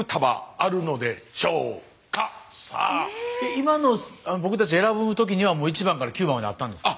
今の僕たち選ぶ時にはもう１番から９番まであったんですか？